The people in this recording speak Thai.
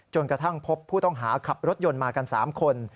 กระทั่งพบผู้ต้องหาขับรถยนต์มากัน๓คน